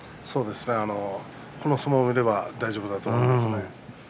この相撲を見れば大丈夫だと思います。